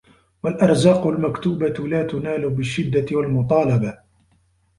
وَالْأَرْزَاقُ الْمَكْتُوبَةُ لَا تُنَالُ بِالشِّدَّةِ وَالْمُطَالَبَةِ